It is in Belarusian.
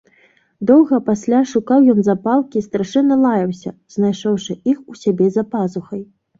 Доўга пасля шукаў ён запалкі і страшэнна лаяўся, знайшоўшы іх у сябе за пазухай.